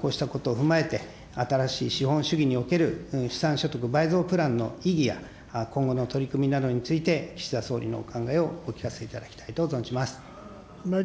こうしたことを踏まえて、新しい資本主義における資産所得倍増プランの意義や、今後の取り組みなどについて、岸田総理のお考えをお聞かせいただきたいと存じます。